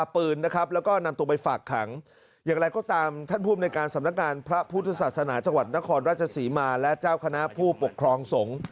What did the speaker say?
ผู้ทศาสนาจังหวัดนครราชศรีมาร์และเจ้าคณะผู้ปกครองสงฆ์